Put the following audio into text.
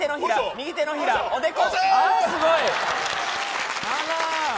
右手のひらおでこ。